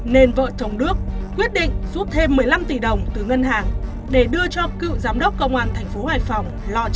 nên vợ thống đức quyết định rút thêm một mươi năm tỷ đồng từ ngân hàng để đưa cho cựu giám đốc công an thành phố hải phòng